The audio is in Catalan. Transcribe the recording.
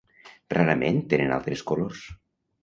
Rarament tenen altres colors.